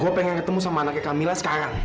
gue pengen ketemu sama anaknya kamila sekarang